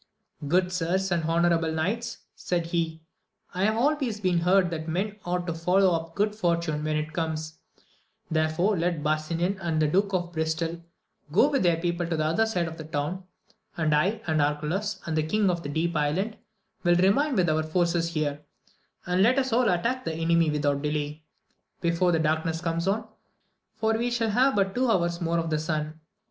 Good sirs, and honourable knights, said he, I have always heard that men ought to follow up good fortune when it comes ; therefore let Barsinan and the Duke of Bristol go with their people to the other side of the town, and I, and Arcalaus, and the Eang of the Deep Island, will remain with our forces here, and let us all attack the enemy without delay, before the darkness comes on, for we shall have but two hours more of the sun.